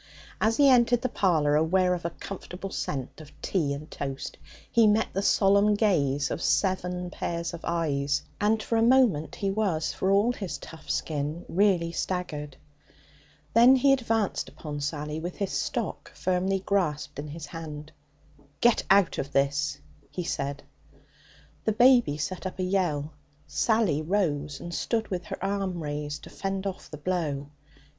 As he entered the parlour, aware of a comfortable scent of tea and toast, he met the solemn gaze of seven pairs of eyes, and for a moment he was, for all his tough skin, really staggered. Then he advanced upon Sally with his stock firmly grasped in his hand. 'Get out of this!' he said. The baby set up a yell. Sally rose and stood with her arm raised to fend off the blow.